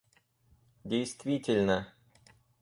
действительно